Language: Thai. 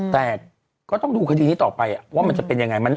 แต่ก็ต้องดูคดีนี้ต่อไปว่ามันจะเป็นยังไง